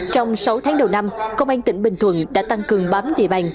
trong sáu tháng đầu năm công an tỉnh bình thuận đã tăng cường bám địa bàn